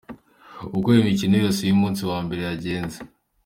Uko imikino yose y’umunsi wa mbere yagenze.